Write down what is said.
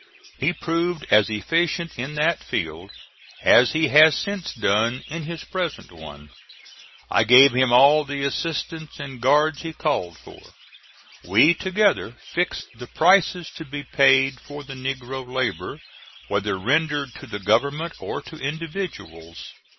He proved as efficient in that field as he has since done in his present one. I gave him all the assistants and guards he called for. We together fixed the prices to be paid for the negro labor, whether rendered to the government or to individuals.